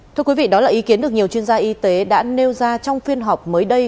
thưa quý vị đó là ý kiến được nhiều chuyên gia y tế đã nêu ra trong phiên họp mới đây